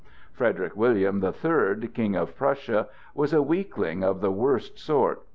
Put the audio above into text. Frederick William the Third, King of Prussia, was a weakling of the worst sort.